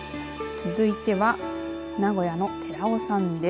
続いては名古屋の寺尾さんです。